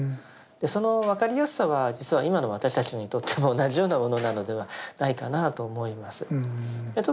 その分かりやすさは実は今の私たちにとっても同じようなものなのではないかなと思います。